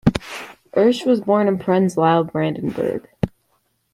Hirsch was born in Prenzlau, Brandenburg.